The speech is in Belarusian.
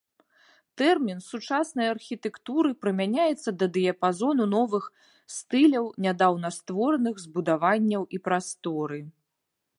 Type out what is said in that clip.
Тэрмін сучаснай архітэктуры прымяняецца да дыяпазону новых стыляў нядаўна створаных збудаванняў і прасторы.